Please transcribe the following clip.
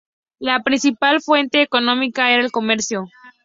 La principal fuente económica era el comercio.